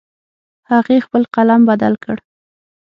هغې خپل قلم بدل کړ